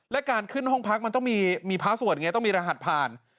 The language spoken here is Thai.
และการขึ้นห้องพักมันต้องมีพระสวดไงต้องมีรหัสผ่าน